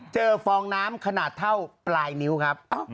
ฟองน้ำขนาดเท่าปลายนิ้วครับ